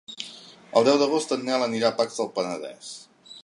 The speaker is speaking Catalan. El deu d'agost en Nel anirà a Pacs del Penedès.